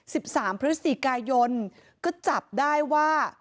สิบสามพฤศจิกายนก็จับได้ว่า